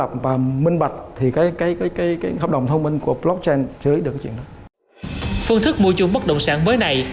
phương thức mua chung bất động sản mới này